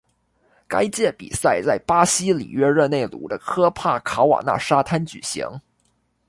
该届比赛在巴西里约热内卢的科帕卡瓦纳沙滩举行。